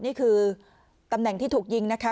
นี่คือตำแหน่งที่ถูกยิงนะคะ